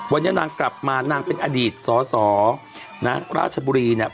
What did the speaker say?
วันนี้นางกลับมานางเป็นอดีตสอสอนะราชบุรีเนี่ย